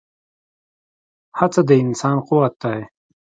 هڅه د انسان قوت دی.